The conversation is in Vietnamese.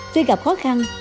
tuy gặp khó khăn